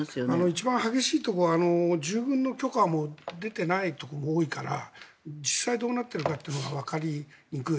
一番激しいところは従軍の許可も出ていないところが多いから実際どうなっているかわかりにくい。